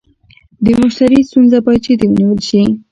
د مشتري ستونزه باید جدي ونیول شي.